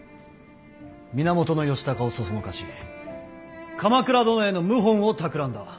源義高を唆し鎌倉殿への謀反をたくらんだ。